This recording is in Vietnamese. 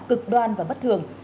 cực đoan và bất thường